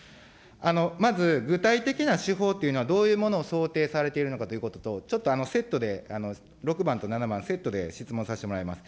まず、具体的な手法というのは、どういうものを想定されているのかということと、ちょっとセットで、６番と７番、セットで質問させてもらいます。